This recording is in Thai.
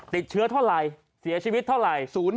ติดเชื้อเท่าไหร่เสียชีวิตเท่าไหร่